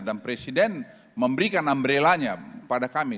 dan presiden memberikan umbrelanya pada kami